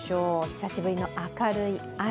久しぶりの明るい朝。